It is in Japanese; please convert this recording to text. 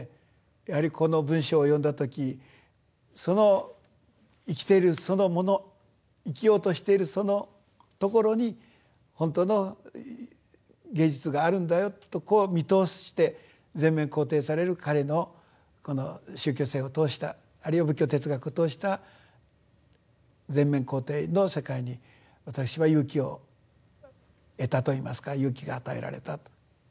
やはりこの文章を読んだ時その生きているそのもの生きようとしているそのところに本当の芸術があるんだよとこう見通して全面肯定される彼のこの宗教性を通したあるいは仏教哲学を通した全面肯定の世界に私は勇気を得たといいますか勇気が与えられたと。